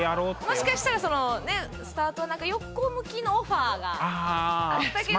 もしかしたらそのねスタートなんか横向きのオファーがあったけど。